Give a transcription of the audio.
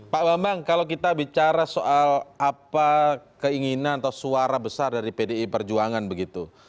pak bambang kalau kita bicara soal apa keinginan atau suara besar dari pdi perjuangan begitu